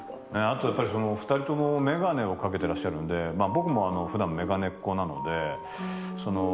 あとやっぱり２人とも眼鏡を掛けてらっしゃるんで僕も普段眼鏡っ子なので。